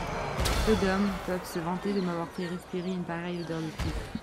Peu d'hommes peuvent se vanter de m'avoir fait respirer une pareille odeur de pipe.